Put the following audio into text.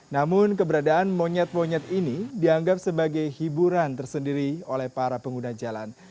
namun keberadaan monyet monyet ini dianggap sebagai hiburan tersendiri oleh para pengguna jalan